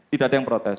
tidak ada yang protes